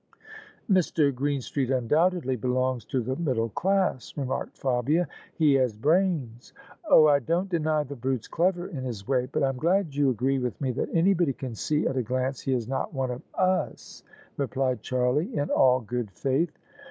"" Mr. Greenstreet undoubtedly belongs to the middle class," remarked Fabia: "he has brains." " Oh ! I don't deny the brute's clever in his way ; but I'm glad you agree with me that anybody can see at a glance he is not one of us," replied Charlie, in all good faith.